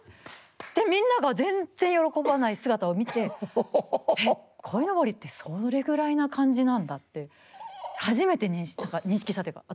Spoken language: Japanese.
でみんなが全然喜ばない姿を見てえっこいのぼりってそれぐらいな感じなんだって初めて何か認識したというか。